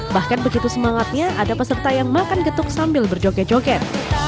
bahkan begitu semangatnya ada peserta yang makan getuk sambil berjoget joget